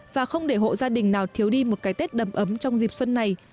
và không để hộ gia đình nào thiếu đi một cái tết đầm ấm trong dịp xuân này